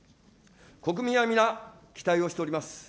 国民は皆、期待をしております。